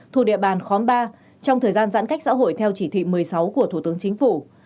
thuộc địa bàn khóm ba trong thời gian giãn cách xã hội theo chỉ thị một mươi sáu của thủ tướng chính phủ